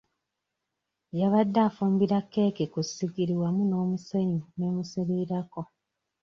Yabadde fumbira keeki ku ssigiri wamu n'omusenyu n'emusiirirako.